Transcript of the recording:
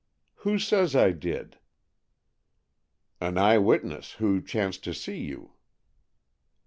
"Who says I did?" "An eye witness, who chanced to see you."